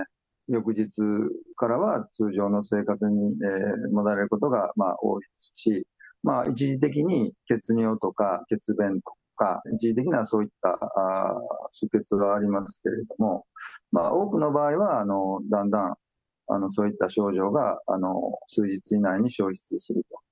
翌日からは通常の生活に戻られることが多いですし、一時的に血尿とか血便とか、一時的な、そういった出血がありますけれども、多くの場合は、だんだんそういった症状が数日以内に消失すると。